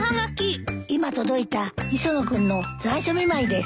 今届いた磯野君の残暑見舞いです。